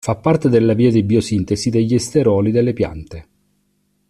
Fa parte della via di biosintesi degli steroli nelle piante.